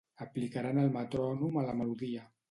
Aplicaran el metrònom a la melodia.